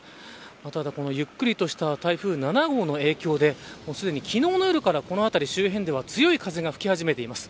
ただ、このゆっくりとした台風７号の影響ですでに昨日の夜からこの辺り周辺では強い風が吹き始めています。